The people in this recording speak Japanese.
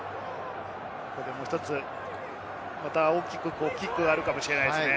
もう１つ、また大きくキックがあるかもしれないですね。